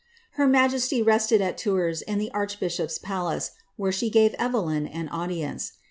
Her majesty rested at Tours, in the archbishop^s palace, where she gave Evelyn an audience.